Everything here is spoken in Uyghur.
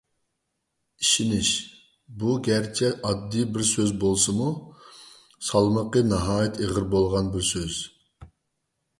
«ئىشىنىش»، بۇ گەرچە ئاددىي بىر سۆز بولسىمۇ، سالمىقى ناھايىتى ئېغىر بولغان بىر سۆز.